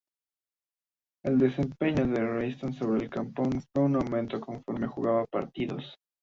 El desempeño de Royston sobre el campo fue en aumento conforme jugaba partidos.